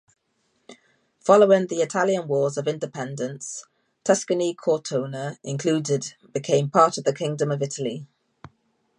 Following the Italian Wars of Independence, Tuscany-Cortona included-became part of the Kingdom of Italy.